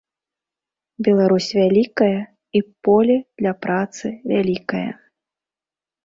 Беларусь вялікая, і поле для працы вялікае.